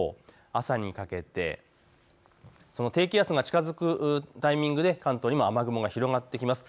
朝にかけてその低気圧が近づくタイミングで関東にも雨雲が広がってきます。